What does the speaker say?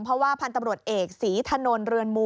เพราะว่าพันธุ์ตำรวจเอกศรีถนนเรือนมู